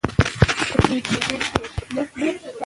د ځنګلونو موجودیت د اوبو د خونديتوب سبب کېږي.